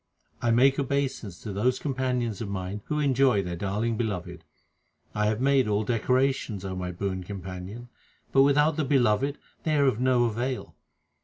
I make obeisance to those companions of mine who enjoy their darling Beloved. I have made all decorations, O my boon companion, but without the Beloved they are of no avail.